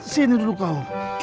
sini dulu kau